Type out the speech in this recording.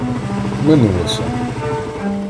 Минулося.